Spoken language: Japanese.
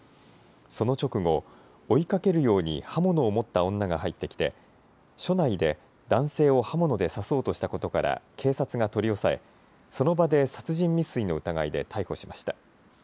その直後、追いかけるように刃物を持った女が入ってきて署内で男性を刃物で刺そうとしたことから警察が取り押さえその場で殺人未遂の疑いで逮捕しました。